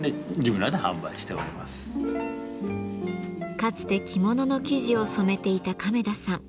かつて着物の生地を染めていた亀田さん。